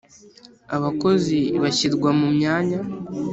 abakozi bashyirwa mu myanya